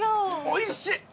おいしい！